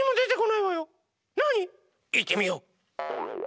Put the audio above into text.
いってみよう！